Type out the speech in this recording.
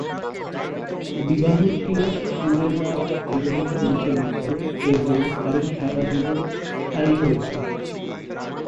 বিবাহ ছিল সুরেলা এবং প্রচলিত এবং তাদের সারা জীবন স্থায়ী হয়েছিল।